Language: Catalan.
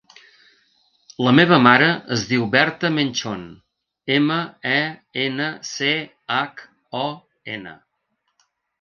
La meva mare es diu Berta Menchon: ema, e, ena, ce, hac, o, ena.